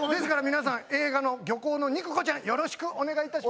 皆さん映画『漁港の肉子ちゃん』よろしくお願いいたします。